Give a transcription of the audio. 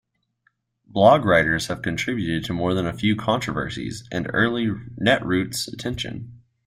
Blog writers have contributed to more than a few controversies and early netroots attention.